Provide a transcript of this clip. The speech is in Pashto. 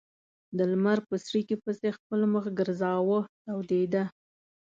د لمر په څړیکې پسې خپل مخ ګرځاوه تودېده.